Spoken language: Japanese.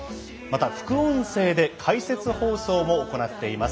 また副音声で解説放送も行っております。